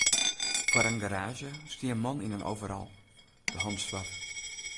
Foar in garaazje stie in man yn in overal, de hannen swart.